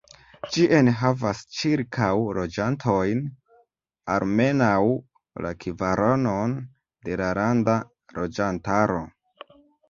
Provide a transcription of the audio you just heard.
Ĝi enhavas ĉirkaŭ loĝantojn, almenaŭ la kvaronon de la landa loĝantaro.